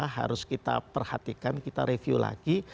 harus kita perhatikan kita review lagi